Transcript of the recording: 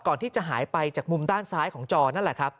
ก่อนที่จะหายไปจากมุมด้านซ้ายของจอนั่นแหละครับ